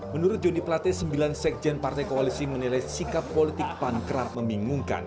menurut joni plate sembilan sekjen partai koalisi menilai sikap politik pan kerap membingungkan